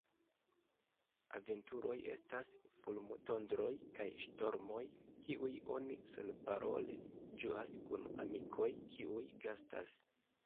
Aventuroj estas fulmotondroj kaj ŝtormoj, kiujn oni senparole ĝuas kun amikoj, kiuj gastas.